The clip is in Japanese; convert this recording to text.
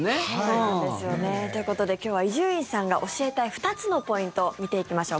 そうなんですよね。ということで今日は伊集院さんが教えたい２つのポイント見ていきましょう。